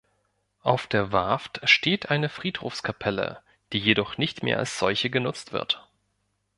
Auf der Warft steht eine Friedhofskapelle, die jedoch nicht mehr als solche genutzt wird.